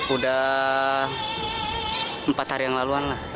udah empat hari yang laluan lah